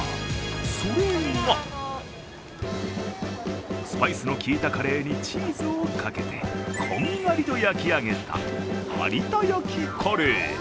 それが、スパイスのきいたカレーにチーズをかけてこんがりと焼き上げた有田焼カレー。